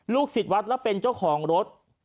ศิษย์วัดและเป็นเจ้าของรถ